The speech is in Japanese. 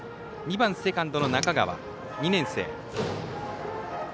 ２番セカンドの中川、２年生。